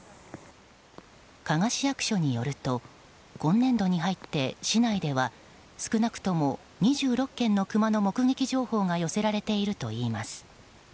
加賀市役所によると今年度に入って市内では少なくとも２６件のクマの目撃情報が寄せられているといいます。